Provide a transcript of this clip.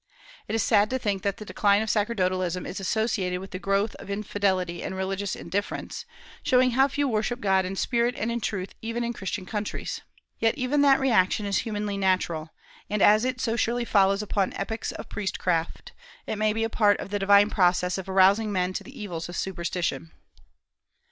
It is sad to think that the decline of sacerdotalism is associated with the growth of infidelity and religious indifference, showing how few worship God in spirit and in truth even in Christian countries. Yet even that reaction is humanly natural; and as it so surely follows upon epochs of priestcraft, it may be a part of the divine process of arousing men to the evils of superstition.